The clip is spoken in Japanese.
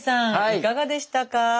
いかがでしたか？